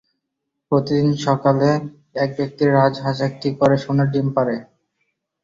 প্রতিদিন সকালে এক ব্যক্তির রাজহাঁস একটি করে সোনার ডিম পাড়ে।